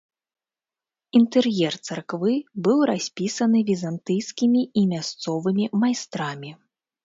Інтэр'ер царквы быў распісаны візантыйскімі і мясцовымі майстрамі.